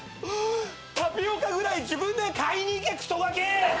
タピオカぐらい自分で買いに行けクソガキ！